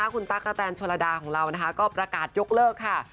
คุณตั๊กกะแตนโชลดาของเรานะคะก็ประกาศยกเลิกค่ะ